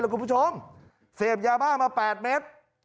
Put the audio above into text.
ล่ะคุณผู้ชมเซ็มยาวะมา๘เมตร